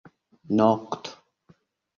nokto